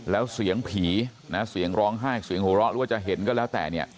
แล้วเสียงผีนะเสียงร้องไห้เสียงหัวเราะหรือว่าจะเห็นก็แล้วแต่เนี่ย